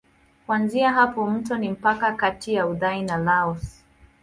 Kuanzia hapa mto ni mpaka kati ya Uthai na Laos.